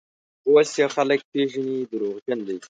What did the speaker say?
اوس یې خلک پېژني: دروغجن دی.